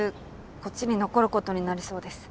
こっちに残ることになりそうです。